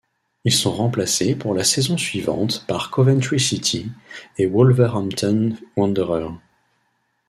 Ils sont remplacés pour la saison suivante par Coventry City et Wolverhampton Wanderers.